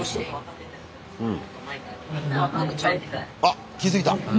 あっ気付いた！